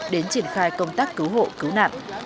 đến triển khai công tác cứu hộ cứu nạn